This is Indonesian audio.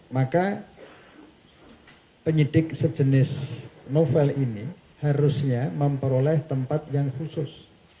maka penyidik sejenis novel ini harusnya memperoleh tempat yang khusus